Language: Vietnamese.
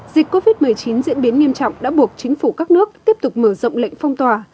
dịch covid một mươi chín diễn biến nghiêm trọng đã buộc chính phủ các nước tiếp tục mở rộng lệnh phong tỏa